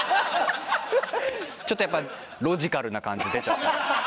ちょっとやっぱロジカルな感じ出ちゃった。